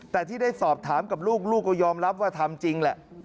แต่ที่ได้สอบถามกับลูกลูกก็ยอมรับว่าทำจริงแหละ